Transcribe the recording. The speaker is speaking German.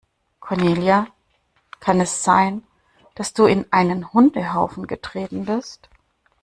Cornelia, kann es sein, dass du in einen Hundehaufen getreten bist?